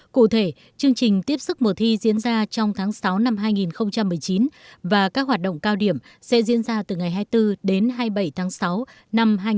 cụ thể chương trình tiếp sức mùa thi diễn ra trong tháng sáu năm hai nghìn một mươi chín và các hoạt động cao điểm sẽ diễn ra từ ngày hai mươi bốn đến hai mươi bảy tháng sáu năm hai nghìn hai mươi